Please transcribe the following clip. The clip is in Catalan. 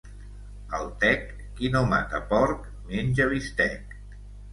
Al Tec, qui no mata porc, menja bistec.